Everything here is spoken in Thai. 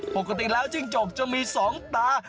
ปกติแล้วจิ้งจกจะมี๒ตา